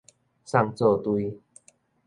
送做堆